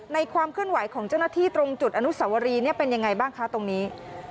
ความเคลื่อนไหวของเจ้าหน้าที่ตรงจุดอนุสวรีเป็นยังไงบ้างคะตรงนี้